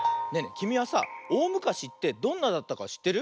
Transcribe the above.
きみはさおおむかしってどんなだったかしってる？